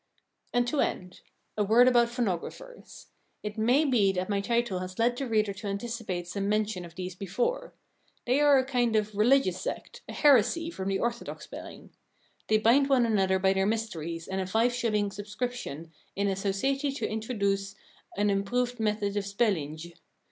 And to end, a word about Phonographers. It may be that my title has led the reader to anticipate some mention of these before. They are a kind of religious sect, a heresy from the orthodox spelling. They bind one another by their mysteries and a five shilling subscription in a "soseiti to introduis an impruvd method of spelinj."